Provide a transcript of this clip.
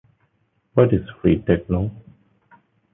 What is Freetekno?